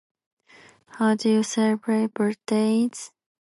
How do you celebrate birthdays?